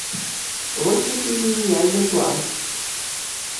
Вось такі геніяльны план.